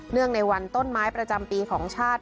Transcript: ในวันต้นไม้ประจำปีของชาติ